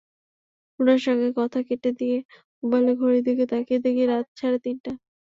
রুনার সঙ্গে কথা কেটে দিয়ে মোবাইলের ঘড়ির দিকে তাকিয়ে দেখি রাত সাড়ে তিনটা।